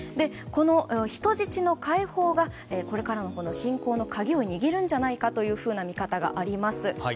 人質の解放がこれからの侵攻の鍵を握るんじゃないかという見方があります。